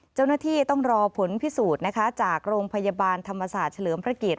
เจ้าหน้าที่ต้องรอผลพิสูจน์นะคะจากโรงพยาบาลธรรมศาสตร์เฉลิมพระเกียรติ